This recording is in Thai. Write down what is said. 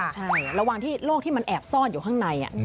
ใช่ระหว่างที่โรคที่มันแอบซ่อนอยู่ข้างใน